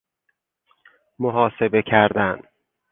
محاسبه کردن